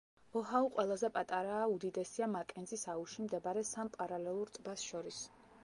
ოჰაუ ყველაზე პატარაა უდიდესია მაკენზის აუზში მდებარე სამ პარალელურ ტბას შორის.